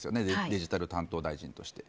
デジタル担当大臣として。